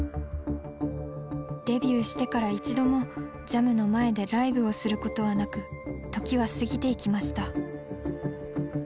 デビューしてから一度もＪＡＭの前でライブをすることはなく時は過ぎていきました。